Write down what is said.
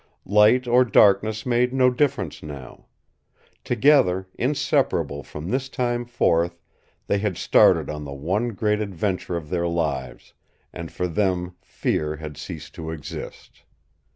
Light or darkness made no difference now. Together, inseparable from this time forth, they had started on the one great adventure of their lives, and for them fear had ceased to exist.